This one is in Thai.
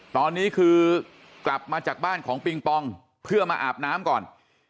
ตอนนี้คือกลับมาจากบ้านของปิงปองเพื่อมาอาบน้ำก่อน